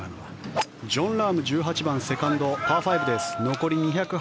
ジョン・ラーム１８番、セカンド、パー５です。